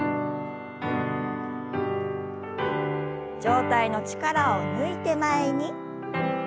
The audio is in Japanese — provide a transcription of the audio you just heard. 上体の力を抜いて前に。